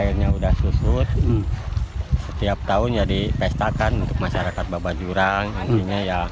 airnya sudah susut setiap tahun jadi pestakan untuk masyarakat bapak jurang